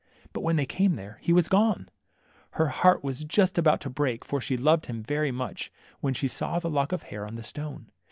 But when they came there, he was gone ! Her heart was just about to break, for she loved him very much, when she saw the lock of hair on the stone.